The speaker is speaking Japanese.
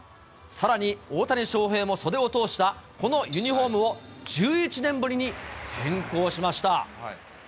さらに、大谷翔平も袖を通したこのユニホームを１１年ぶりに変更しました。